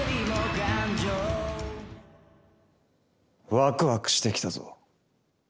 ワクワクしてきたぞ。